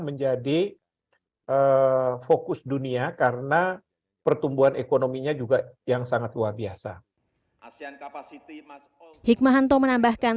menjadi fokus dunia karena pertumbuhan ekonominya juga yang sangat luar biasa hikmahanto menambahkan